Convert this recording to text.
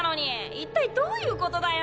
一体どういうことだよ！？